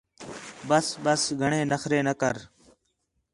بس بس گھݨے نخرے نہ کر